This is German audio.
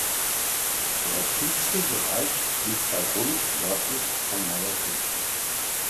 Der tiefste Bereich liegt bei rund nördlich von Mauerkirchen.